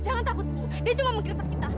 jangan takut ibu dia cuma menggeser kita